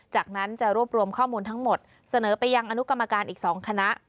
จากนั้นจะรวบรวมข้อมูลทั้งหมดเสนอไปยังอนุกรรมการอีก๒คณะ